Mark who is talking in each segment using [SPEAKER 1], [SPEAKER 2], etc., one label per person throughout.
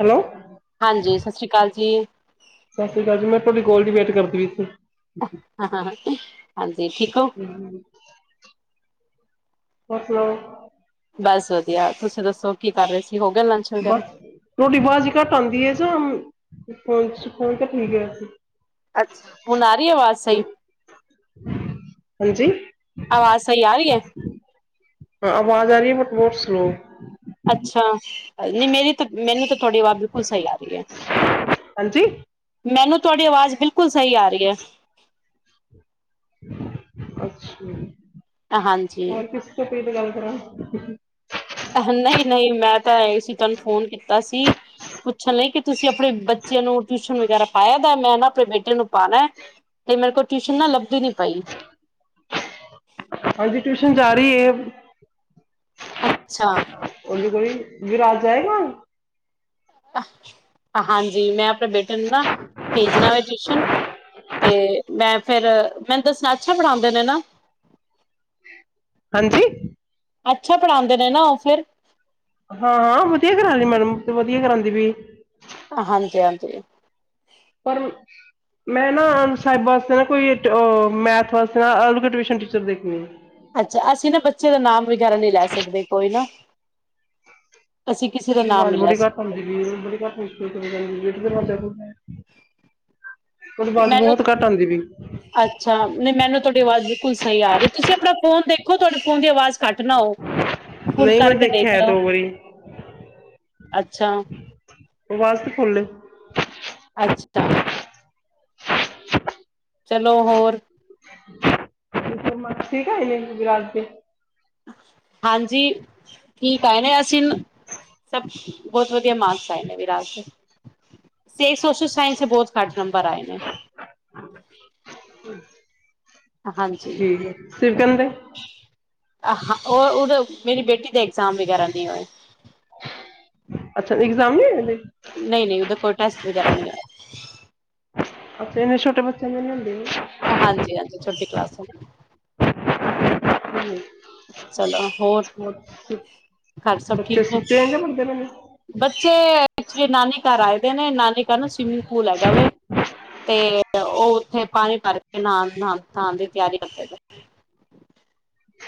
[SPEAKER 1] Hello
[SPEAKER 2] ਹਾਂਜੀ ਸਤਿ ਸ੍ਰੀ ਅਕਾਲ ਜੀ,
[SPEAKER 1] ਸਤਿ ਸ੍ਰੀ ਅਕਾਲ ਜੀ ਮੈਂ ਤੁਹਾਡੀ ਕੋਲ ਦੀ ਵੇਟ ਕਰਦੀ ਈ
[SPEAKER 2] ਹਾਂ-ਹਾਂ,
[SPEAKER 1] ਹੂੰ, ਮਤਲਬ,
[SPEAKER 2] ਬਸ ਵਧੀਆ ਤੁਸੀਂ ਦੱਸੋ ਕੀ ਕਰ ਰਹੇ ਸੀ। ਹੋ ਗਿਆ ਲੰਚ ਵਗੈਰਾ
[SPEAKER 1] ਬਸ ਤੁਹਾਡੀ ਬਾਜ਼ ਘੱਟ ਆਦੀ ਹੈ, ਜਾਂ ਫੋ ਫੋਨ ਚ ਠੀਕ ਹੈ।
[SPEAKER 2] ਅੱਛਾ ਹੁਣ ਆ ਰਹੀ ਅਵਾਜ਼ ਸਹੀ,
[SPEAKER 1] ਹਾਂਜੀ
[SPEAKER 2] ਅਵਾਜ਼ ਸਹੀ ਆ ਰਹੀ ਹੈ।
[SPEAKER 1] ਸਪੋਰਟਸ ਨੂੰ
[SPEAKER 2] ਅੱਛਾ, ਨਹੀਂ ਮੇਰੀ ਤਾਂ ਮੈਨੂੰ ਤਾਂ ਤੁਹਾਡੀ ਆਵਾਜ ਬਿਲਕੁਲ ਸਹੀ ਆ ਰਹੀ ਹੈ,
[SPEAKER 1] ਹਾਂਜੀ
[SPEAKER 2] ਨਹੀਂ ਮੈਨੂੰ ਤੁਹਾਡੀ ਆਵਾਜ਼ ਬਿਲਕੁਲ ਸਹੀ ਆ ਹੈ। [unintelligible]
[SPEAKER 1] ਅੱਛਾ,
[SPEAKER 2] ਹਾਂਜੀ
[SPEAKER 1] ਹੋਰ ਕਿਸ [unintelligible] ਗੱਲ ਕਰਾਂ,
[SPEAKER 2] ਨਹੀਂ-ਨਹੀਂ ਮੈਂ ਤਾਂ ਸੀ ਤੁਹਾਨੂੰ ਫੋਨ ਕੀਤਾ ਸੀ। ਲਈ ਕਿ ਤੁਸੀਂ ਆਪਣੇ ਬੱਚਿਆਂ ਨੂੰ ਟਿਊਸ਼ਨ ਵਗੈਰਾ ਪਾਇਆ ਦਾ ਮੈਂ ਨਾ, ਆਪਣੇ ਬੇਟੇ ਨੂੰ ਪਾਣਾ ਤੇ ਮੇਰੇ ਕੋਲ ਟਿਊਸਸ਼ਨ ਲੱਭਦੀ ਨੀ ਪਾਈ।
[SPEAKER 1] ਹਾਂਜੀ ਟਿਊਸ਼ਨ ਜਾ ਰਹੀ ਹੈ।
[SPEAKER 2] ਅੱਛਾ,
[SPEAKER 1] ਵੀਰ ਆ ਜਾਏਗਾ।
[SPEAKER 2] ਆ, ਹਾਂਜੀ ਮੈਂ ਆਪਣੇ ਬੇਟੇ ਨੂੰ ਨਾ ਭੇਜਣਾ ਵ ਟਿਊਸ਼ਨ ਤੇ ਮੈਂ ਫਿਰ ਮੈਨੂੰ ਦੱਸਣਾ ਅੱਛਾ ਪੜ੍ਹਾਉਂਦੇ ਨੇ ਨਾ
[SPEAKER 1] ਹਾਂਜੀ
[SPEAKER 2] ਅੱਛਾ ਪੜ੍ਹਾਉਂਦੇ ਨੇ ਨਾ ਉਹ ਫਿਰ
[SPEAKER 1] ਹਾਂ ਹਾਂ ਵਧੀਆ ਕਰਾਦੀ ਮੈਡਮ ਵਧੀਆ ਕਰਾਉਂਦੀ ਵੀ
[SPEAKER 2] ਹਾਂਜੀ ਹਾਂਜੀ
[SPEAKER 1] ਪਰ ਮੈਂ ਨਾ ਸਾਹਿਬ ਵਾਸਤੇ ਨਾ ਕੋਈ ਮੈਥ ਵਾਸਤੇ ਨਾ ਅਲੱਗ ਟਿਊਸ਼ਨ ਟੀਚਰ ਦੇਖਣੀ
[SPEAKER 2] ਅੱਛਾ ਅਸੀਂ ਨਾ ਬੱਚੇ ਦਾ ਨਾਮ ਵਗੈਰਾ ਨਹੀਂ ਲੈ ਸਕਦੇ ਕੋਈ ਨਾ ਅਸੀਂ ਕਿਸੇ ਦਾ ਨਾਮ
[SPEAKER 1] ਆਵਾਜ਼
[SPEAKER 2] ਨਹੀਂ ਲੈ
[SPEAKER 1] ਬੜੀ ਘੱਟ
[SPEAKER 2] ਸਕਦੇ
[SPEAKER 1] ਆਂਦੀ ਪਈ ਬੜੀ ਘੱਟ ਮੁਸ਼ਿਲ [inaudible] [inaudible]
[SPEAKER 2] ਮੈਨੂੰ
[SPEAKER 1] ਬਹੁਤ ਘੱਟ ਆਉਂਦੀ ਵੀ
[SPEAKER 2] ਅੱਛਾ ਨਹੀਂ ਮੈਨੂੰ ਤੁਹਾਡੀ ਆਵਾਜ਼ ਬਿਲਕੁਲ ਸਹੀ ਆ ਰਹੀ ਤੁਸੀਂ ਆਪਣਾ ਫੋਨ ਦੇਖ ਤੁਹਾਡੇ ਫ਼ੋਨ ਦੀ ਆਵਾਜ਼ ਘੱਟ ਨਾ ਹੋ ਫੁੱਲ
[SPEAKER 1] ਨਹੀਂ ਮੈਂ
[SPEAKER 2] ਕਰਕੇ
[SPEAKER 1] ਦੇਖਿਆ
[SPEAKER 2] ਦੇਖ
[SPEAKER 1] ਹੈ
[SPEAKER 2] ਲਓ
[SPEAKER 1] ਦੋ ਵਾਰੀ
[SPEAKER 2] ਅੱਛਾ
[SPEAKER 1] [inaudible]
[SPEAKER 2] ਅੱਛਾ ਚਲੋ ਹੋਰ
[SPEAKER 1] ਮੱਛੀ [inaudible]
[SPEAKER 2] ਹਾਂਜੀ ਠੀਕ ਆਏ ਨੇ ਅਸੀਂ ਸਭ ਬਹੁਤ ਵਧੀਆ ਮਾਰਕਸ ਆਏ ਨੇ ਵੀਰਾਜ ਦੇ ਸੋਸ਼ਲ ਸਾਇੰਸ ਦੇ ਬਹੁਤ ਘੱਟ ਨੰਬਰ ਆਏ ਨੇ
[SPEAKER 1] ਹੂੰ
[SPEAKER 2] ਹਾਂਜੀ
[SPEAKER 1] ਦੇ
[SPEAKER 2] ਹਾਂ ਉਹ ਉਹਦੇ ਮੇਰੀ ਬੇਟੀ ਐਗਜ਼ਾਮ ਵਗੈਰਾ ਨਹੀਂ ਹੋਏ।
[SPEAKER 1] ਅੱਛਾ ਇਗਜ਼ਾਮ ਨੀ ਹੋਏ ਹਲੇ।
[SPEAKER 2] ਨਹੀਂ ਨਹੀਂ ਉਹਦਾ ਕੋਈ ਟੈਸਟ ਵਗੈਰਾ ਨਹੀਂ ਹੋਇਆ
[SPEAKER 1] ਅੱਛੇ ਇੰਨੇ ਛੋਟੇ ਬੱਚਿਆਂ ਦੇ ਨੀ ਹੁੰਦੇ
[SPEAKER 2] ਹਾਂਜੀ ਹਾਂਜੀ ਛੋਟੀ ਕਲਾਸ [inaudible]
[SPEAKER 1] ਹੂੰ
[SPEAKER 2] ਚਲੋ ਹੋਰ
[SPEAKER 1] ਸੁ-
[SPEAKER 2] ਘਰ ਸਭ
[SPEAKER 1] ਬੱਚੇ
[SPEAKER 2] ਠੀਕ ਹੈ
[SPEAKER 1] ਸੁੱਤੇ ਹੋਏ ਨੇ ਪੜਦੇ ਨੇ
[SPEAKER 2] ਬੱਚੇ ਐਕਚੁਲੀ ਨਾਨੀ ਘਰ ਆਏ ਦੇ ਨੇ ਨਾਨੀ ਘਰ ਨੂੰ ਸਵੀਮਿੰਗ ਪੂਲ ਹੈਗਾ ਵੈ ਤੇ ਉਹ ਖੇ ਪਾਣੀ ਭਰਕੇ ਨਾਣ ਨਾਣ ਦੀ ਤਿਆਰੀ ਕਰਦੇ ਪਏ।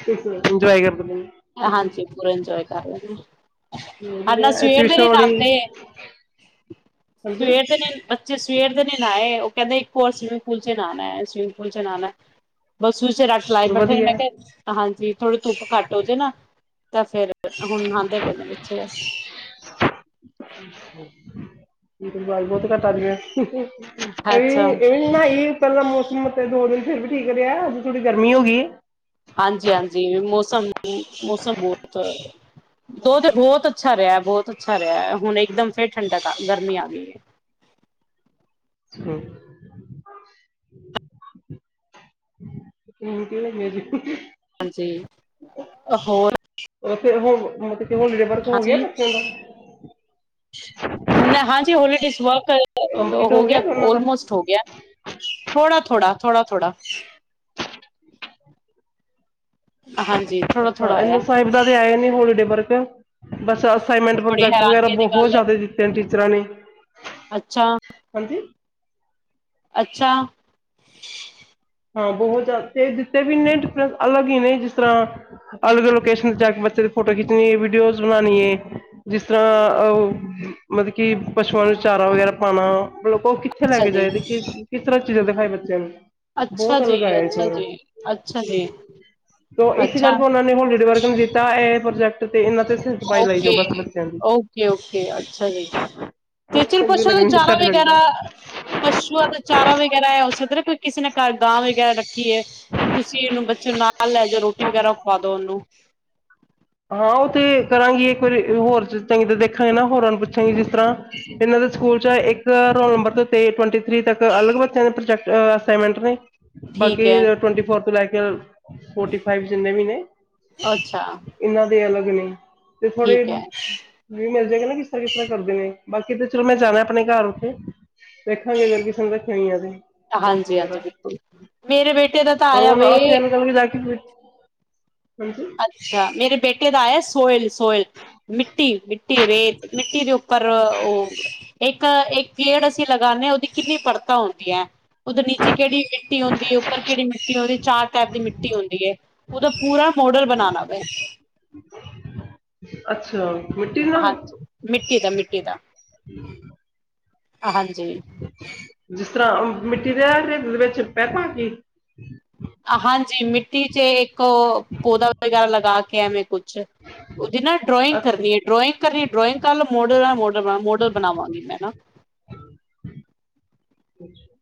[SPEAKER 1] ਇੰਜੋਏ ਕਰਦੇ
[SPEAKER 2] ਹਾਂਜੀ ਪੂਰਾ ਇੰਜੋਏ ਕਰ ਰਹੇ
[SPEAKER 1] ਨੇ
[SPEAKER 2] ਅੱਜ ਨਾ
[SPEAKER 1] ਵਧੀਆ ਇਹ
[SPEAKER 2] ਸਵੇਰ ਦੇ
[SPEAKER 1] ਟਿਊਸ਼ਨ ਵਾਲੀ
[SPEAKER 2] ਨਾਤੇ
[SPEAKER 1] ਹਾਂਜੀ
[SPEAKER 2] ਸਵੇਰ ਦੇ ਬੱਚੇ ਸਵੇਰ ਦੇ ਨੀ ਨਾਏ ਕਹਿੰਦੇ ਇੱਕ ਹੋਰ ਸਵੀਮਿੰਗ ਪੂਲ ਚ ਨਹਾਣਾ ਸਵਿਮਿੰਗ ਪੂਲ ਚ ਨਹਾਣਾ [inaudible] ਰੱਟ ਲਾਏ ਬੈਠੇ ਮੈਂ
[SPEAKER 1] ਵਧੀਆ ਹੈ।
[SPEAKER 2] ਕਿਹਾ ਹਾਂਜੀ ਥੋੜੀ ਧੁੱਪ ਘੱਟ ਨਾ ਤਾਂ ਫੇਰ ਹੁਣ ਆਂਦੇ ਪਏ ਨੇ ਪਿੱਛੇ ਬਸ
[SPEAKER 1] ਲੇਕਿਨ ਆਵਾਜ਼ ਬਹੁਤ ਘੱਟ ਆ ਰਹੀ ਆ
[SPEAKER 2] ਅੱਛਾ
[SPEAKER 1] ਇਹ ਇਹ ਵੀ ਨਾ ਪਹਿਲਾਂ ਮੌਸਮ ਦੋ ਦਿਨ ਫਿਰ ਵੀ ਠੀਕ ਰਿਹਾ ਅੱਜ ਥੋੜੀ ਗਰਮੀ ਹੋ ਗਈ
[SPEAKER 2] ਹਾਂਜੀ ਹਾਂਜੀ ਮੌਸਮ ਮੌਸਮ ਬਹੁਤ ਦੋ ਦਿਨ ਬਹੁਤ ਅੱਛਾ ਰਿਹਾ। ਬਹੁਤ ਖਰਿਆ ਹੁਣ ਇੱਕਦਮ ਫੇਰ ਠੰਡਕ ਗਰਮੀ ਆ ਗਈ ਹੈ।
[SPEAKER 1] [inaudible]
[SPEAKER 2] ਹਾਂਜੀ। ਹੋਰ
[SPEAKER 1] ਉ ਉਹ
[SPEAKER 2] ਹਾਂਜੀ ਨਾ ਹਾਂਜੀ ਹੋਲੀਡੇ ਵਾਹ
[SPEAKER 1] ਕੰਪਲੀਟ
[SPEAKER 2] ਹੋ ਗਿਆ
[SPEAKER 1] ਦੋਨਾਂ ਦਾ
[SPEAKER 2] ੳਲਮੋਸਟ ਹੋ ਗਿਆ। ਥੋੜਾ ਥੋੜਾ ਥੋੜਾ ਥੋੜਾ ਹਾਂਜੀ ਥੋੜਾ ਥੋੜਾ
[SPEAKER 1] ਅੱਛਾ
[SPEAKER 2] ਆਇਆ
[SPEAKER 1] ਇੰਦ ਸਾਹਿਬ ਦਾ ਤੇ ਆਏ ਨੀ ਹੋਲੀ ਡੇਬਰ [inaudible] ਬਸ ਅਸਾਈਨਮੈਂਟ
[SPEAKER 2] ਬੜੀ
[SPEAKER 1] ਪ੍ਰੋਜੈਕਟ ਵਗੈਰਾ
[SPEAKER 2] ਹੈਰਾਨਗੀ ਦੀ ਗੱਲ
[SPEAKER 1] ਬਹੁਤ ਜ਼ਿਆਦਾ
[SPEAKER 2] ਹੈ
[SPEAKER 1] ਦਿੱਤੇ ਨੇ ਟੀਚਰਾਂ ਨੇ। ਹ
[SPEAKER 2] ਅੱਛਾ!
[SPEAKER 1] ਹਾਂਜੀ
[SPEAKER 2] ਅੱਛਾ!
[SPEAKER 1] ਹਾਂ ਬਹੁਤ ਜ਼ਿਆਦਾ ਤੇ ਜਿੱਤੇ ਵੀ ਇਨੇ ਡਿਫਰੈਂਸ ਅਲੱਗ ਹੀ ਨੇ ਜਿਸ ਤਰ੍ਹਾਂ ਅਲੱਗ ਲੋਕੇਸ਼ਨ ਤੇ ਜਾ ਕੇ ਬੱਚੇ ਦੀ ਫੋਟੋ ਖਿੱਚਣੀ ਹੈ ਵੀਡੀਓਜ਼ ਬਣਾਣੀ ਹੈ ਜਿਸ ਤਰ੍ਹਾਂ ਮਤਲਬ ਕਿ ਪਸ਼ੂਆਂ ਨੂੰ ਚਾਰਾ ਵਗੈਰਾ ਪਾਉਣਾ। ਲ ਉਹ ਕਿੱਥੇ ਲੈ
[SPEAKER 2] ਅੱਛਾ
[SPEAKER 1] ਕੇ
[SPEAKER 2] ਜੀ
[SPEAKER 1] ਜਾਏਦੇ ਕਿਸ ਤਰ੍ਹਾਂ? ਦੇ ਭਾਈ ਬੱਚਿਆਂ ਨੂੰ
[SPEAKER 2] ਅੱਛਾ
[SPEAKER 1] ਬਹੁਤ
[SPEAKER 2] ਜੀ,
[SPEAKER 1] ਅਲਗ ਆਏਆ ਸੀ
[SPEAKER 2] ਅੱਛਾ
[SPEAKER 1] ਉਹ
[SPEAKER 2] ਜੀ, ਅੱਛਾ ਜੀ,
[SPEAKER 1] ਤੇ ਇਸ
[SPEAKER 2] ਅੱਛਾ
[SPEAKER 1] ਕਰਕੇ ਉਹਨਾਂ ਨੇ ਉਹ ਲੀੜੇ ਵਰਕ ਨੇ ਦਿੱਤਾ ਇਹ ਪ੍ਰੋਜੈਕਟ। ਤੇ ਇਹਨਾਂ ਤੇ ਸਿਰ ਖਪਾਈ ਲਾਈ ਜਾਓ
[SPEAKER 2] ਓਕੇ
[SPEAKER 1] ਬਸ ਬੱਚਿਆਂ ਦੀ
[SPEAKER 2] ਓਕੇ ਓਕੇ ਅੱਛਾ ਜੀ ਤੇ ਚਿਰ ਪਸ਼ੂਆਂ ਦਾ
[SPEAKER 1] ਲੱਗਣੀ
[SPEAKER 2] ਚਾਰਾ
[SPEAKER 1] ਸਾਡੇ ਲੱਗ ਜਾਣੀ
[SPEAKER 2] ਵਗੈਰਾ ਪਸ਼ੂਆਂ ਦਾ ਚਾਰਾ ਵਗੈਰਾ ਹੈ ਉਸ। ਕਿਸੇ ਨਾ ਘਰ ਗਾਂ ਵਗੈਰਾ ਰੱਖੀ। ਤੁਸੀਂ ਇਹਨੂੰ ਬੱਚੋਂ ਨਾਲ ਲੈ ਜਾਓ ਰੋਟੀ ਵਗੈਰਾ ਖਵਾ ਦੋ ਉਹਨੂੰ
[SPEAKER 1] ਹਾਂ ਉਹ ਤੇ ਕਰਾਂਗੀ ਇੱਕ ਵਾਰੀ ਹੋਰ ਚੰਗੀ ਤਰ ਦੇਖਾਂਗੇ ਨਾ ਹੋਰਾਂ ਨੂੰ ਪੁੱਛਾਂਗੀ ਜਿਸ ਤਰ੍ਹਾਂ ਇਹਨਾਂ ਦੇ ਸਕੂਲ ਚ ਇੱਕ ਰੋਲ ਨੰਬਰ ਤੇੱ ਟਵੰਟੀ। ਤ ਤੱਕ ਅਲੱ ਬੱਤਿਆਂ ਪ੍ਰਜੈਕਟ। ਅ ਅਸਾਈਮੈਂਟ ਨੇ
[SPEAKER 2] ਠੀਕ
[SPEAKER 1] ਬਾਕੀ
[SPEAKER 2] ਹੈ,
[SPEAKER 1] ਟਵੈਂਟੀ ਫੋਰ ਤੋਂ ਲੈ ਕੇ ਫੋਰਟੀ ਫਾਈਵ ਜਿੰਨੇ ਵੀ ਨੇ
[SPEAKER 2] ਅੱਛਾ!
[SPEAKER 1] ਇਹਨਾਂ ਦੇ ਅਲੱਗ ਨੇ ਤੇ ਥੋੜੇ
[SPEAKER 2] ਠੀਕ ਹੈ,
[SPEAKER 1] ਵੀ ਮਿਲ ਜਾਗਾ ਨਾ ਕਿਸ ਤਰ੍ਹਾਂ ਕਿਸ ਤਰ੍ਹਾਂ ਕਰਦੇ ਨੇ? ਬਾਕੀ ਤੇ ਚਲੋ ਮੈਂ ਜਾਣਾ ਆਪਣੇ ਘਰ ਉੱਥੇ। ਦੇਖਾਂਗੇ ਅਗਰ ਕਿਸੇ ਨੇ ਦੇਖਿਆ ਆੈ ਵਗਰਾ
[SPEAKER 2] ਹਾਂਜੀ-ਹਾਂਜੀ ਬਿਲਕੁਲ। ਮੇਰੇ ਬੇਟੇ ਦਾ ਤਾਂ
[SPEAKER 1] ਪਰ
[SPEAKER 2] ਆਇਆ
[SPEAKER 1] ਹੁਣ
[SPEAKER 2] ਵੇ
[SPEAKER 1] ਆਥੇ ਕੱਲ ਜਾ ਕੇ ਹਾਂਜੀ
[SPEAKER 2] ਅੱਛਾ ਮੇਰੇ ਬੇਟੇ ਦਾ ਆਇਆ ਸੋਇਲ ਸੋਇਲ। ਮਿੱਟੀ, ਮਿੱਟੀ ਰੇਤ ਮਿੱਟੀ ਦੇ ਉੱਪਰ ਉਹ ਇੱਕ ਇੱਕ ਗੇੜ ਅਸੀਂ ਲਗਾਦੇ ਹਾਂ ਉਹਦੀ ਕਿੰਨੀ ਪੜਤਾਾਂ ਹੁੰਦੀਆਂ? ਦੇ ਨੀਚੇ ਕਿਹੜੀ ਮਿੱਟੀ ਹੁੰਦੀ ਉਪਰ ਕਿਹੜੀ ਮਿੱਟੀ ਹੁੰਦੀ ਚਾਰ ਟਾਈਪ ਦੀ ਮਿੱਟੀ ਹੁੰਦੀ ਉਹਦਾ ਪੂਰਾ ਨੂਡਲ ਬਣਾਉਣਾ ਮੈਂ।
[SPEAKER 1] ਅੱਛਾ! ਮਿੱਟੀ ਨਾਲ
[SPEAKER 2] ਹਾਂਜੀ ਮਿੱਟੀ ਦਾ ਮਿੱਟੀ ਦਾ। ਹਾਂਜੀ
[SPEAKER 1] ਤ ਮਿੱਟੀ ਦੇ ਹੇਦ ਦੇ ਵਿੱਚ ਪੈ ਪਾ ਕੇ?
[SPEAKER 2] ਹਾਂਜੀ ਮਿੱਟੀ ਚ ਇੱਕ ਪੌਦਾ ਵਗੈਰਾ ਲਗਾ ਕੇ ਐਵੇਂ ਕੁਝ। ਅੱਾ ਉਹ ਜਿ ਨਾ ਡਰੋਇੰਗ
[SPEAKER 1] ਅੱਛਾ
[SPEAKER 2] ਕਰਨੀ ਹੈ ਡਰੋਇੰਗ ਕਰ ਡ੍ਰਇਗ ਕਾਰੱਲ ਮੋਡਲ ਮੋਡ ਮੋਡਲ ਬਣਾਵਾਂਗੀ ਮੈਂ ਨਾ
[SPEAKER 1] ਹਮ ਅੱਛਾ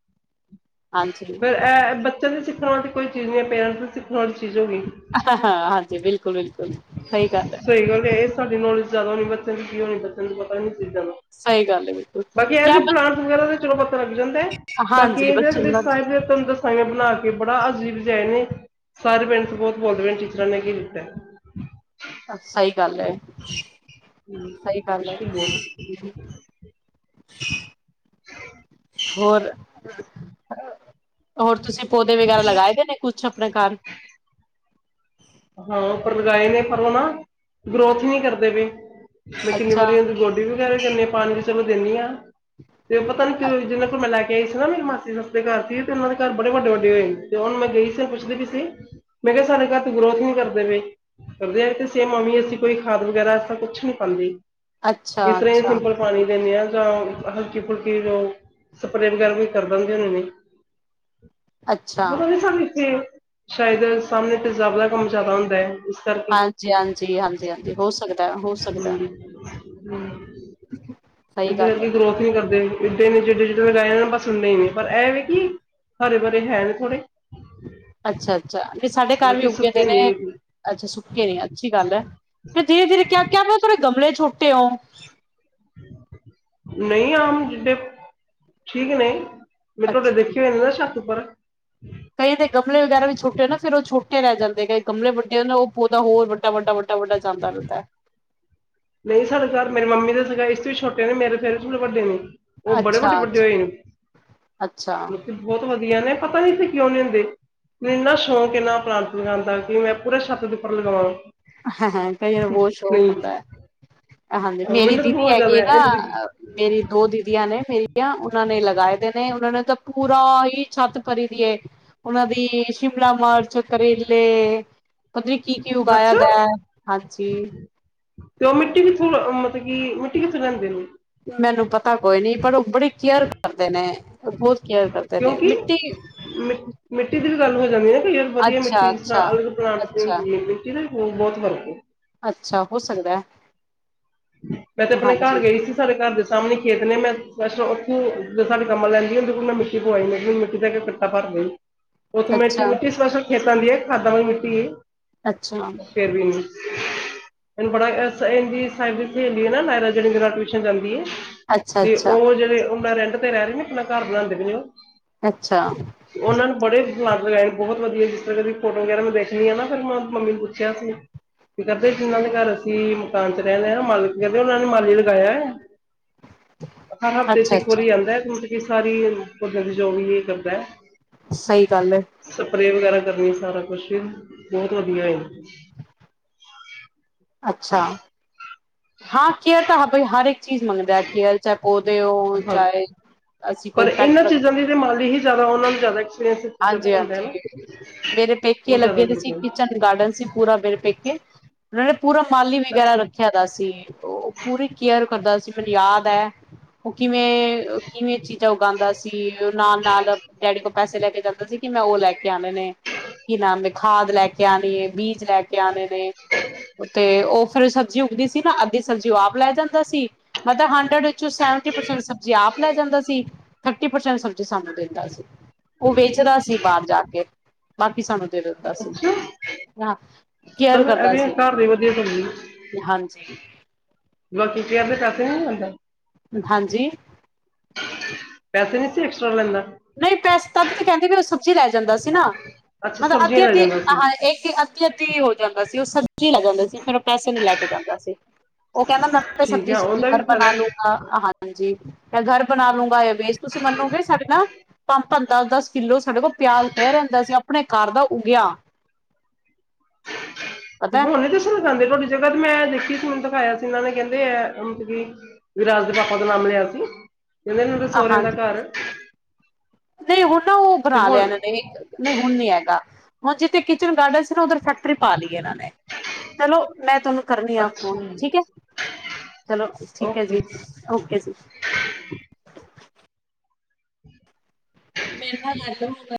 [SPEAKER 2] ਹਾਂਜੀ
[SPEAKER 1] ਫੇਿਰ ਇਹ ਬ ਚੱਲਦੇ ਸਿੱਖਣ ਵਾਲੀ ਕੋਈ ਚੀਜ਼ ਨਹੀਂ ਹੈ ਪੇਰੈਂਟਸ ਨੂੰ ਸਿੱਖ ਵਾਲੀ ਚੀਜ਼ ਹੋ ਗਈ
[SPEAKER 2] ਹਾਂ ਹਾਂ ਹਾਂਜੀ ਬਿਲਕੁਲ ਬਿਲਕੁਲ ਸਹੀ ਗੱਲ ਹੈ।
[SPEAKER 1] ਸਹੀ ਗੱਲ ਹੈ ਇਹ ਸਾਡੀ ਨੌਲੇਜ ਜ਼ਿਆਦਾ ਹੋਣੀ ਬੱਚਿਆਂ ਦੀ ਕੀ ਹੋਣੀ ਬੱਚਿਆਂ ਨੂੰ ਪਤਾ ਨਹੀਂ ਚੀਜ਼ਾਂ। ਦਾ
[SPEAKER 2] ਸਹੀ ਗੱਲ ਹੈ। ਬਿਲਕੁਲ
[SPEAKER 1] ਬਾਕੀ ਇਹ
[SPEAKER 2] ਜਾਂ
[SPEAKER 1] ਜਿਹੇ
[SPEAKER 2] ਬ
[SPEAKER 1] ਪਲਾਂਟ ਵਗੈਰਾ ਚਲੋ ਪੱਤਾ ਲੱਗ ਜਾਂਦਾ ਬਾਕੀ
[SPEAKER 2] ਹਾਂਜੀ
[SPEAKER 1] ਇਹ
[SPEAKER 2] ਬੱਚਨ ਦਾ
[SPEAKER 1] ਤੰਦਰ ਬਣਾ ਕੇ ਬੜਾ ਅਜੀਬਜਏ ਨੇ। ਸਾਰੇ ਪਿੰਡਸ ਬਹੁਤ ਬੋਲਦੇ ਪਿੰ ਟੀਚਰਾਂ ਨੇ ਕੀਤਾ।
[SPEAKER 2] ਸਹੀ ਗੱਲ ਹੈ ਸਹੀ ਗੱਲ
[SPEAKER 1] ਮੁਸ਼ਕਿਲ ਬਹੁਤ
[SPEAKER 2] ਹੈ ਹੋਰ ਹੋਰ ਤੁਸੀਂ ਪੌਦੇ ਵਗੈਰਾ ਲਗਾਏ ਦੇ ਨੇ ਕੁੱਛ? ਆਪਣੇ ਘਰ
[SPEAKER 1] ਹਾਂ ਪਰ ਲਗਾਏ ਨੇ ਪਰ ਉਹ ਨਾ ਗਰੋਥ ਨਹੀਂ ਕਰਦੇ ਪਏ। ਮੈਂ ਕਿੰਨੀ
[SPEAKER 2] ਅੱਛਾ
[SPEAKER 1] ਵਾਰੀ ਉਹਦੀ ਗੋਡੀ ਵਗੈਰਾ ਕਰਨੇ ਪਾਣੀ। ਚਲ ਦਿੰਦੀ ਹਾਂ। ਤੇ ਉਹ ਪਤਾ ਨੀ ਕਿ ਜਿਨਾਂ ਕੋਲ ਮੈਂ ਲੈ ਕੇ ਗਈ ਸੀ ਨਾ ਮੇਰੀ ਮਾਸੀ ਸਸਤੇ ਘਰ ਸੀ ਤੇ ਉਹਨਾਂ ਦੇ ਘਰ ਬੜੇ ਵੱਡੇ ਵੱਡੇ ਹੋਏ ਸੀ ਤੇ ਉਹੁਣ ਮੈਂ ਗਈ ਸੀ ਪੁੱਛਦੀ ਵੀ ਸੀ ਮੈਂ ਕਿਹਾ ਸਾਡੇ ਘਰ ਗਰੋਥ ਨੀਂ ਕਰਦੇਂ ਪਏ। ਕਰਦੇ ਵੀ ਤੇ ਸੇਮ ਅਮੀ ਅਸੀਂ ਕੋਈ ਖਾਦ ਵਗੈਰਾ ਕੁੱਛ ਨੀਂ ਪਾਂਦੀ।
[SPEAKER 2] ਅੱਛਾ
[SPEAKER 1] ਇਸ ਤਰ੍ਹਾਂ ਹੀ
[SPEAKER 2] ਅੱਛਾ
[SPEAKER 1] ਸਿੰਪਲ ਪਾਣੀ ਦਿੰਦੇਂ ਹਾਂ। ਜਾਂ ਹਲਕੀ ਫੁਲਕੀ ਜ਼ੋ ਸਪ੍ਰੇ ਵਗ਼ੈਰਾ ਵੀ ਕਰ ਦਿੰਦੇਂ ਹੋਣੇਂ ਨੇ।
[SPEAKER 2] ਅੱਛਾ
[SPEAKER 1] ਬਣਾਉਂਣੀ ਸਾਂ ਵਿੱਚੇ। ਸ਼ਾਇਦ ਸਾਹਮਣੇਂ ਤੇ। ਸਾਬ ਦਾ ਕੰਮ ਜ਼ਿਆਦਾ ਹੁੰਦਾਂ ਹੈ। ਇਸ ਕਰਕੇ।
[SPEAKER 2] ਹਾਂਜੀ ਹਾਂਜੀ ਹਾਂਜੀ ਹਾਂਜੀ ਹੋ ਸਕਦਾ ਹੋ
[SPEAKER 1] ਹੂੰ,
[SPEAKER 2] ਸਕਦਾ
[SPEAKER 1] ਹੂੰ
[SPEAKER 2] ਸਹੀ
[SPEAKER 1] ਇਹਦੇ
[SPEAKER 2] ਗੱਲ ਹੈ
[SPEAKER 1] ਕਰਕੇ ਗਰੋਥ ਨੀਂ ਕਰਦੇਂ ਹੈਗੇ। ਇਡੇ ਨੇਂ ਜਿਡੇ ਜਿਡੇ ਮੈਂ ਲਗਾਏ ਬਸ ਓਨੇ ਹੀ ਨੇਂ ਪਰ ਐਹ ਵੀ ਕਿ ਹਰੇ ਬੜੇ ਹੈਂ ਨੇਂ ਥੋੜੇ।
[SPEAKER 2] ਅੱਛਾ ਅੱਛਾ। ਤੇ ਸਾਡੇ ਘਰ ਵੀ
[SPEAKER 1] ਬਾਕੀ
[SPEAKER 2] ਉੱਗੇ ਦੇ
[SPEAKER 1] ਸੁੱਕੇ
[SPEAKER 2] ਨੇਂ।
[SPEAKER 1] ਨਹੀਂ
[SPEAKER 2] ਅੱਛਾ ਸੁੱਕੇ ਨੀਂ ਅੱਛੀ ਗੱਲ ਹੈ। ਫ਼ਿਰ ਧੀਰੇ ਧੀਰੇ ਕਿਆ ਕਿਹਾਂ [unintelligible] ਮੈਂ ਥੋੜੇ ਗਮਲੇ ਚ। ਟੁੱਟਿੲੌ। [unintelligible]
[SPEAKER 1] ਨਹੀਂ ਆਮ ਜਿਡੇ ਠੀਕ ਨੇਂ। ਮੈਂ ਤੁਹਾਡੇ
[SPEAKER 2] ਅੱਛਾ
[SPEAKER 1] ਦੇਖੇਂ ਹੋਏ ਨੇ ਨਾ ਛੱਤ ਉੱਪਰ। [inaudible]
[SPEAKER 2] ਕਈ ਤਾਂ ਗਮਲੇ ਵਗ਼ੈਰਾ ਵੀ ਛੋਟੇ ਨੇਂ। ਫ਼ਿਰ ਉਹ ਛੋਟੇ ਰਹਿ ਜਾਂਦੇ ਨੇਂ। ਕਈ ਗਮਲੇ ਵੱਡੇ ਨੇਂ ਉਹ ਪੋਦਾ ਹੋਰ ਵੱਡਾ ਵੱਡਾ ਵੱ ਤਾਂ ਵੱਡਾ ਜਾਂਦਾ ਰਹਿੰਦਾਂ ਹੈਂ।
[SPEAKER 1] ਨਹੀਂ ਸਾਡੇ ਘਰ ਮੇਰੇ ਮੰਮੀ ਦੇ [unintelligible] ਸੀ। ਇਸ ਤੋਂ ਵੀ ਛੋਟੇ ਨੇਂ ਮੇਰੇ ਫ਼ਿਰ ਵੀ ਥੋੜੇ ਵੱਡੇ ਨੇਂ। ਉਹ ਬੜੇ ਵੱਡੇ
[SPEAKER 2] ਅੱਛਾ
[SPEAKER 1] ਵੱਡੇ ਹੋਏ ਨੇਂ।
[SPEAKER 2] ਅੱਛਾ
[SPEAKER 1] ਲੋਕੀਂ ਬਹੁਤ ਵਧੀਆਂ ਨੇਂ। ਪਤਾਂ ਨੀਂ ਇੱਥੇਂ ਕਿਉਂ ਨੀਂ ਹੁੰਦੇ। ਮੈਂਨੂੰ ਨਾ ਸ਼ੌਂਕ ਆ ਏਨਾਂ ਪਲਾਟ ਲਗਾਉਣ ਦਾ ਕਿ ਮੈਂ ਪੂਰਾਂ ਛੱਤ ਦੇ ਉੱਪਰ ਲਗਾਵਾਂ।
[SPEAKER 2] ਹ ਹ
[SPEAKER 1] ਨਹੀਂ
[SPEAKER 2] ਹਾਂਜੀ
[SPEAKER 1] ਅਹ
[SPEAKER 2] ਮੇਰੀ
[SPEAKER 1] ਮੈਨੂੰ ਤਾਂ
[SPEAKER 2] ਦੀਦੀ
[SPEAKER 1] ਬਹੁਤ ਜ਼ਿਆਦਾ
[SPEAKER 2] ਹੈਗੇ
[SPEAKER 1] ਹੈ
[SPEAKER 2] ਨਾ
[SPEAKER 1] ਇਹਦੀ-
[SPEAKER 2] ਮੇਰੀ ਦੋ ਦੀਦੀਆਂ ਨੇਂ ਮੇਰੀ [unintelligible] ਉਹਨਾਂ ਨੇਂ ਲਗਾਏ ਦੇ ਨੇਂ। ਉਹਨਾਂ ਨੇ ਤਾਂ ਚੋ ਕਰੇਲੇ। ਪਤਾ ਨੀ। [inaudible] ਕੀ ਕੀ ਉਗਾਇਆ। ਦਾ ਹੈ। ਹਾਂਜੀ
[SPEAKER 1] ਤੇ ਉਹ ਮਿੱਟੀ ਕਿੱਥੋਂ ਮਤਲ [unintelligible] ਤੇ ਕਿ ਮਿੱਟੀ ਕਿਥੋਂ ਲੈਂਦੇਂ ਨੇਂ।
[SPEAKER 2] ਮੈਂਨੂੰ ਪਤ ਉਹ ਤਾਂ ਕੋਈ ਨੀਂ ਪਰ ਉਹ ਬੜੀ ਕੇਅਰ ਕਰਦੇਂ ਨੇਂ। [unintelligible] ਹੋਰ। [unintelligible]
[SPEAKER 1] ਕਿਉਂਕਿ ਮਿਟ ਮਿੱਟੀ ਦੀ ਵੀ ਗੱਲ਼ ਹੋ ਜਾਂਦੀ ਹੈ। ਕਈਆਂ ਵਾਰ ਵਧੀਆਂ
[SPEAKER 2] ਅੱਛਾ,
[SPEAKER 1] ਮਿੱਟੀ। ਜਿਸ
[SPEAKER 2] ਅੱਛਾ,
[SPEAKER 1] ਤਰ੍ਹਾਂ ਅਲੱਗ ਪਲਾਂਟ ਦੀ ਹੁੰਦੀ ਐ ਨਾ ਮਿੱਟੀ ਦੇ। ਉਹ ਬਹੁਤ
[SPEAKER 2] ਅੱ
[SPEAKER 1] ਮੈਂ ਤੇ ਆਪਣੇ ਘਰ ਗਈਂ ਸੀ। ਸਾਡੇ ਘਰ ਦੇ ਸਾਹਮਣੇਂ ਖੇ ਮੈਂ ਜੇ ਸਾਡੇ [unintelligible] ਕੰਮਾਂ ਲੈਂਦੀਦੇ ਮਿੱਟੀ ਪਵਾਈ ਮਿੱਟੀ ਦਾ ਕੇ ਕੱਟਾ ਭਰ ਲਿਆਈ। ਉਥੇ ਮੈਟੀ
[SPEAKER 2] ਅੱਛਾ,
[SPEAKER 1] [unintelligible] ਖਾਦਾਂ ਵਾਲੀ ਮਿੱਟੀ ਏ
[SPEAKER 2] ਅੱਛਾ, ਅੱਛਾ,
[SPEAKER 1] ਫੇਰ ਵੀ ਮਿ [unintelligible] ਨਾ ਮਾਇਰਾ ਜਿਹੜੀ ਮੇਰੇ ਨਾਲ ਟਿਊਸ਼ਨ ਜਾਂਦੀ ਹੈ [unintelligible]
[SPEAKER 2] ਅੱਛਾ,
[SPEAKER 1] ਤੇ ਉਹ ਆਪਣਾ ਰੈਂਿੰ ਤੇ ਰਹੇ ਨੇ ਆਪਣਾ ਘਰ ਬਣਾਉਦੇ ਵੀ ਨ
[SPEAKER 2] ਅੱਛਾ,
[SPEAKER 1] ਉਹ ਉਹਨਾਂ ਨੇ ਬੜੇ ਲੱਗ ਲਗਾਏ ਨੇ ਬਹੁਤ ਵਧੀਆ। ਫੋਟੋ ਵਗੈਰਾ ਮੈਂ ਦੇਖਣੀ ਆ ਨਾ ਫੇਿਰ ਮੈਂ ਮੰਮੀ ਨੂੰ ਪੁੱਛਿਆ ਸੀ ਵੀ ਕਦੇ ਜਿਹਨਾਂ ਦੇ ਘਰ ਅਸੀਂ ਮਕਾਨ ਚ, ਨਾ ਮਾਲੀ ਕਹਿੰਦੇ ਉਹਨਾਂ ਨੇ ਮਾਲੀ ਲਗਾਇਆ। ਹਰ ਹਫ਼ਤੇ ਚ
[SPEAKER 2] ਅੱਛਾ,
[SPEAKER 1] ਇੱਕ
[SPEAKER 2] ਅੱਛਾ
[SPEAKER 1] ਵਾਰੀ ਆਉਂਦਾ ਹੈ। ਇਹ ਸਾਰੀ ਪੱਦ ਦੀ ਜੋਗ ਵੀ ਇਹ ਕਰਦਾ।
[SPEAKER 2] ਸਹੀ ਗੱਲ ਹੈ,
[SPEAKER 1] ਕਰ ਸਾਰਾ ਕੁਛ ਬਹੁਤ ਵਧੀਆ,
[SPEAKER 2] ਅੱਛਾ ਹਾਂ, ਕੇਅਰ ਤਾਂ ਹ ਹਰ ਚੀਜ਼ ਮੰਗਦਾ ਹੈ ਕੇਅਰ ਚਾਹੇ ਪੌਦੇ ਹੋ
[SPEAKER 1] ਹਾਂ।
[SPEAKER 2] ਚਾਹੇ ਅਸੀਂ ਕੋਈ
[SPEAKER 1] ਪਰ ਇਹਨਾਂ
[SPEAKER 2] ਪੈਟ ਰੱਖ
[SPEAKER 1] ਚੀਜ਼ਾਂ ਦੀ ਤੇ ਮਾਲੀ ਹੀ ਜ਼ਿਆਦਾ ਉਹਨਾਂ ਨੂੰ ਜ਼ਿਆਦਾ ਐਕਸਪੀਰੀਅੰਸ ਚੀਜ਼ਾਂ ਦਾ ਹੁੰਦਾ ਹੈ
[SPEAKER 2] ਹਾਂਜੀ-ਹਾਂਜੀ
[SPEAKER 1] ਨਾ।
[SPEAKER 2] ਮੇਰੇ ਪੇਕੇ
[SPEAKER 1] ਉਹ ਜ਼ਿਆਦਾ
[SPEAKER 2] ਲੱਗੇ ਦੇ ਸੀ
[SPEAKER 1] ਕਰਦੇ ਨੇ
[SPEAKER 2] ਕਿਚਨ ਗਾਰਡਨ ਸੀ ਪੂਰਾ ਮੇਰੇ ਪੇਕੇ ਪੂਰਾ ਮਾਲੀ ਵਗੈਰਾ
[SPEAKER 1] ਅੱਛਾ
[SPEAKER 2] ਰੱਖਿਆ ਦਾ ਸੀ, ਉਹ ਪੂਰੀ ਕੇਅਰ ਕਰਦਾ ਸੀ ਮੈਨੂੰ ਯਾਦ ਹੈ। ਉਹ ਕਿਵੇਂ, ਕਿ ਕਿਵੇਂ ਚੀਜ਼ਾਂ ਉਗਾਉਂਦਾ ਸੀ ਨਾਲ ਨਾਲ ਡੈਡੀ ਕੋਲ ਪੈਸੇ ਲੈ ਕੇ ਜਾਂਦਾ ਸੀ। ਕਿ ਮੈਂ ਉਹ ਲੈ ਕੇ ਆਣੇ ਨੇ ਕੀ ਨਾਮ ਦੇ, ਖਾਦ ਲੈਕੇ ਆਣੀ ਹੈ। ਬੀਜ ਲੈ ਕੇ ਆਣੇ ਨੇ ਤੇ ਤੇ ਉਹ, ਸਾਡੇ ਸਬਜ਼ੀ ਉੱਗਦੀ, ਨਾ ਅੱਧੀ ਸਬਜ਼ੀ ਆਪ ਲੈ ਜਾਂਦਾ ਸੀ, ਮਤਲਬ ਹੰਡਰਡ ਵਿੱਚ ਸੈਵਟੀ ਪਰਸੈਂਟ ਸਬਜ਼ੀ ਆਪ ਲੈ ਜਾਂਦਾ ਸੀ। ਥਰਟੀ ਪਰਸੈਂਟ ਸਬਜੀ ਸਾਨੂੰ ਦਿੰਦਾ ਸੀ। ਉਹ ਵੇਚਦਾ ਸੀ ਬਾਹਰ ਜਾ ਕੇ, ਬਾਕੀ ਸਾਨੂੰ ਦਿੱ ਸੀ
[SPEAKER 1] ਅੱਛਾ
[SPEAKER 2] ਕੇਅਰ
[SPEAKER 1] ਚਲੋ
[SPEAKER 2] ਕਰਦਾ
[SPEAKER 1] ਐਵੇਂ
[SPEAKER 2] ਸੀ,
[SPEAKER 1] ਘਰ ਦੀ ਵਧੀਆ ਸਬਜ਼ੀ
[SPEAKER 2] ਹਾਂਜੀ
[SPEAKER 1] ਬਾਕੀ ਕਿ ਤਾਂਸੇ ਨੀ ਹੁੰਦਾ,
[SPEAKER 2] ਹਾਂਜੀ,
[SPEAKER 1] ਐਸਟਰਾ ਲੈਂਦਾ
[SPEAKER 2] ਨਹੀਂ ਪੈਸ ਤ ਤੇ ਕਹਿੰਦੇ ਵੀ ਚ ਜਾਂਦਾ ਸੀ ਨਾ
[SPEAKER 1] ਅੱਛਾ
[SPEAKER 2] ਮਤਲਬ
[SPEAKER 1] ਸਬਜ਼ੀਆਂ
[SPEAKER 2] ਅੱਧੀ
[SPEAKER 1] ਲੈ
[SPEAKER 2] ਅੱਧੀ
[SPEAKER 1] ਜਾਂਦਾ ਸੀ
[SPEAKER 2] ਹਾਂ ਇੱਕ ਅੱਧੀ ਅੱਧੀ ਹੋ ਜਾਂਦਾ ਸੀ ਉਹ ਸਬਜ਼ੀ ਲੱਗ ਜਾਂਦਾ ਸੀ ਫਿਰ ਪੈਸੇ ਨੂੰ ਲੈ ਕੇ ਜਾਂਦਾ ਸੀ ਉਹ ਕਹਿੰਦਾ ਮ
[SPEAKER 1] ਠੀਕ
[SPEAKER 2] ਸਬਜ਼
[SPEAKER 1] ਆ
[SPEAKER 2] ਸੁਬ
[SPEAKER 1] ਉਹਦਾ ਵੀ
[SPEAKER 2] ਨਰ
[SPEAKER 1] ਫਾਇਦਾ
[SPEAKER 2] ਬਣਾ
[SPEAKER 1] ਹੈ।
[SPEAKER 2] ਲੂਗਾ ਹਾਂਜੀ ਮ ਘਰ ਬਣਾ ਲੂੰਗਾ ਇਹਵੇਸ ਤੁਸੀਂ ਮੰਨੋਗੇ ਸਾਡੇ ਨਾਲ ਪੰਪ ਦਸ ਦਸ ਕਿੱਲੋ ਸਾਡੇ ਕੋਲ ਪਿਆਜ ਪਹਿ ਰਹਿੰਦਾ ਸੀ ਆਪਣੇ ਘਰ ਦਾ ਉਗਿਆ
[SPEAKER 1] ਤੇ
[SPEAKER 2] ਪਤਾ
[SPEAKER 1] ਹੁਣ ਦੱਸ ਲਗਾਉਂਦੇ ਤੁਹਾਡੀ ਜਗ੍ਹਾ ਤੇ ਮੈਂ ਦੇਖੀ ਸੀੈਣ ਤਾਂ ਖਾਇਆ ਸੀ ਇਹਨਾਂ ਨੇ ਕਹਿੰਦੇ ਹੈ ਅਮਤ ਕੀ ਵੀਰਾਜ ਦੇ ਭਪ ਤੋਂ ਨਾਮ ਲਿਆ ਸੀ ਨ ਸੋਰੇਦਾ
[SPEAKER 2] ਹਾਂਜੀ
[SPEAKER 1] ਕਾਰ
[SPEAKER 2] ਨਹੀਂ ਹੁਣ ਨਾ ਉਹ ਬਣਾ ਲਿਆ ਨਹੀਂ ਨਹੀਂ ਹੁਣ ਨਹੀ ਹੈਗਾ ਹ ਜੇ ਤੇ ਕਿਚਨ ਗਾਰਡਨ ਉਧਰ ਫੈਕਟਰੀ ਪਾ ਲਈ ਇਹਨਾਂ ਨੇ ਚਲੋ ਮੈਂ ਤੁਹਾਨੂੰ ਕਰਨੀ ਆ ਫੋਨ
[SPEAKER 1] ਅੱਛਾ
[SPEAKER 2] ਠੀਕ ਹੈ ਚਲੋ ਠੀਕ ਹੈ ਜੀ
[SPEAKER 1] ਓਕੇ
[SPEAKER 2] ਓਕੇ ਜੀ
[SPEAKER 1] [inaudible]
[SPEAKER 2] ਮੇ ਨਾਲ ਲੱਦਾ